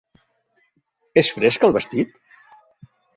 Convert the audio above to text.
És fresc, el vestit?